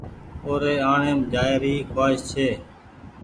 او ري آڻيم جآئي ر کوآئس ڇي۔